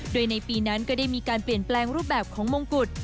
โดยในปีนั้นก็ได้มีการเปลี่ยนแปลงรูปแบบของมงกุฎ